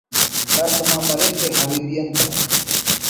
دا سمامریک کہ غریبی انت اسے